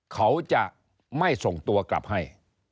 เขาจะไม่ส่งตัวกลับให้